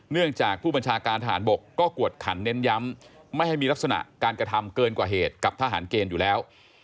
เนื่องจากผู้บัญชาการทหารบกก็กวดขันเน้นย้ำไม่ให้มีลักษณะการกระทำเกินกว่าเหตุกับทหารเกณฑ์อยู่แล้ว